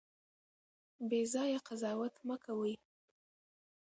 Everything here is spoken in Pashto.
بې ځایه قضاوت مه کوئ.